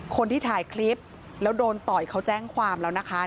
คนที่ถ่ายคลิปแล้วโดนต่อยเขาแจ้งความแล้วนะคะ